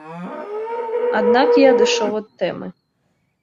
Аднак я адышоў ад тэмы.